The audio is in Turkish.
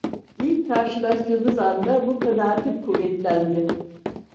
İlk karşılaştığımız anda bu kanaatim kuvvetlendi.